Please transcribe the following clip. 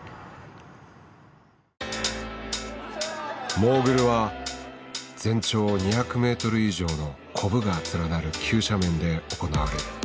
モーグルは全長２００メートル以上のコブが連なる急斜面で行われる。